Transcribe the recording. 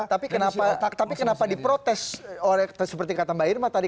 tapi kenapa di protes seperti kata mbak irma tadi